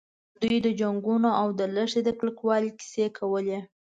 دوی د جنګونو او د لښتې د کلکوالي کیسې کولې.